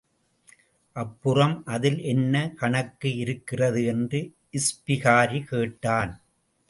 அப்புறம் அதில் என்ன கணக்கு இருக்கிறது? என்று இஸ்பிகாரி கேட்டான்.